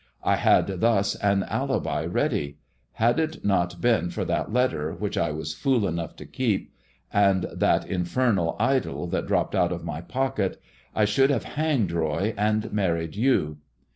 I had thus an alibi ready. Had it not beea that letter, which I was fool enough to keep, and that femal idol that dropped out of my pocket, I shoiild hi hanged Eoy and married you.